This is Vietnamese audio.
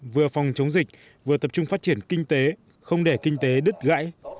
vừa phòng chống dịch vừa tập trung phát triển kinh tế không để kinh tế đứt gãy